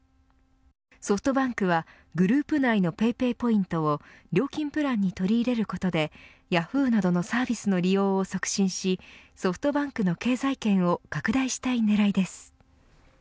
ソフトバンクは、グループ内のＰａｙＰａｙポイントを料金プランに取り入れることでヤフーなどのサービスの利用を促進しソフトバンクの経済圏を拡大したい狙いです。